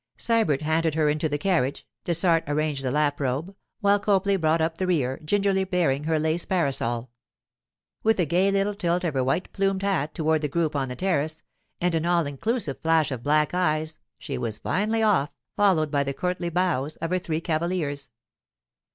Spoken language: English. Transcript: Sybert handed her into the carriage, Dessart arranged the lap robe, while Copley brought up the rear, gingerly bearing her lace parasol. With a gay little tilt of her white plumed hat toward the group on the terrace and an all inclusive flash of black eyes, she was finally off, followed by the courtly bows of her three cavaliers.